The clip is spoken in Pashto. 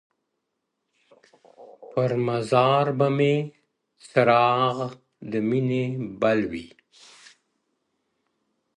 • پر مزار به مي څراغ د میني بل وي ,